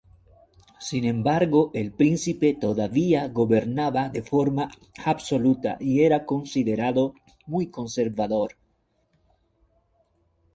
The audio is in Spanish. Sin embargo, el príncipe todavía gobernaba de forma absoluta y era considerado muy conservador.